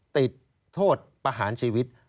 ติดโทษประหารชีวิต